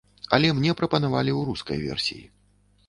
Але мне прапанавалі ў рускай версіі.